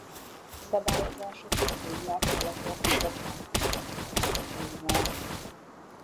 A folyószabályozásokig Téglást a Latorca gyakran fenyegette árvizeivel.